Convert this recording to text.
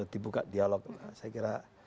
dibuka dialog saya kira